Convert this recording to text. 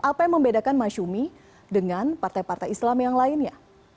apa yang membedakan masyumi dengan partai partai islam yang lainnya